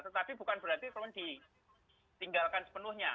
tetapi bukan berarti belum ditinggalkan sepenuhnya